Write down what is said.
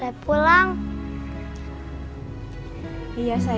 bedapa aja standards tuh